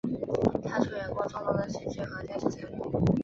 他出演过众多的喜剧和电视节目。